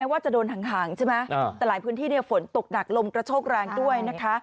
ว่าจะโดนห่างใช่ไหมแต่หลายพื้นที่ฝนตกหนักลมกระโชกแรงด้วยนะคะ